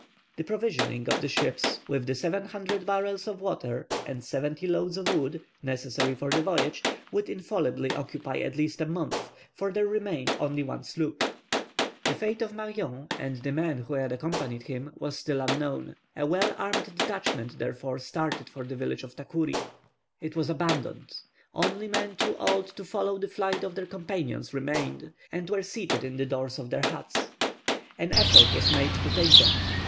The provisioning of the ships with the seven hundred barrels of water, and seventy loads of wood, necessary for the voyage, would infallibly occupy at least a month, for there remained only one sloop. The fate of Marion, and the men who had accompanied him, was still unknown. A well armed detachment therefore started for the village of Tacouri. It was abandoned! Only men too old to follow the flight of their companions remained, and were seated in the doors of their huts. An effort was made to take them.